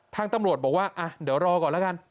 ทางตำรวจบอกว่าเดี๋ยวรอก่อนแล้วกัน